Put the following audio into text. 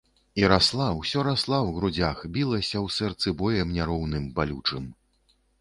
І расла, усё расла ў грудзях, білася ў сэрцы боем няроўным, балючым.